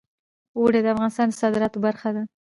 اوړي د افغانستان د صادراتو برخه ده.